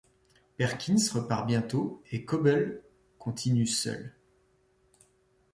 Perkins repart bientôt et Koebele continue seul.